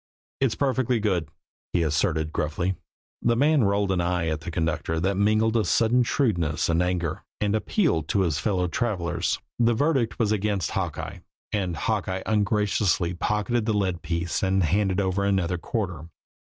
"It's perfectly good," he asserted gruffly. The man rolled an eye at the conductor that mingled a sudden shrewdness and anger, and appealed to his fellow travelers. The verdict was against Hawkeye, and Hawkeye ungraciously pocketed the lead piece and handed over another quarter.